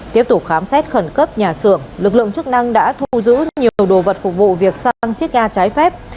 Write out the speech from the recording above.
tiếp tục khám xét khẩn cấp nhà xưởng lực lượng chức năng đã thu giữ nhiều đồ vật phục vụ việc sang chiếc ga trái phép